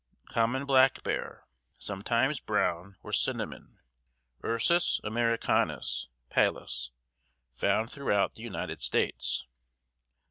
COMMON BLACK BEAR (sometimes brown or cinnamon): Ursus americanus Pallas. Found throughout the United States.